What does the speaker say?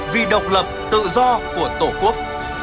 vì độc lập tự do của tổ quốc